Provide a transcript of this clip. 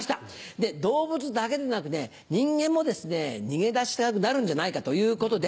で動物だけでなく人間もですね逃げ出したくなるんじゃないかということで。